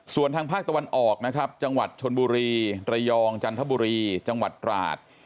ส่วนทางภาคตะวันออกนะครับจังหวัดชนบุรีระยองจันทบุรีจังหวัดตราด